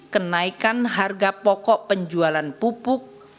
kenaikan harga pokok penjualan pupuk